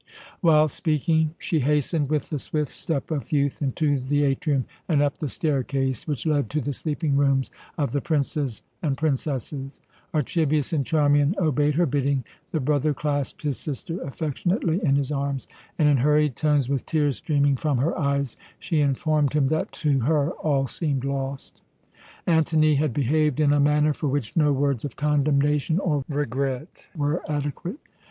While speaking, she hastened with the swift step of youth into the atrium and up the staircase which led to the sleeping rooms of the princes and princesses. Archibius and Charmian obeyed her bidding; the brother clasped his sister affectionately in his arms, and in hurried tones, with tears streaming from her eyes, she informed him that to her all seemed lost. Antony had behaved in a manner for which no words of condemnation or regret were adequate.